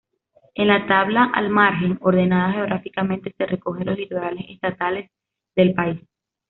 En la tabla al margen, ordenada geográficamente, se recogen los litorales estatales del país.